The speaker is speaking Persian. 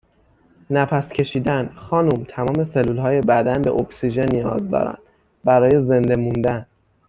نفس کشیدن خانم تمام سلولهای بدن به اکسیژن نیاز دارن برای زنده موندن